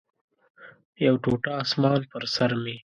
یو ټوټه اسمان پر سر مې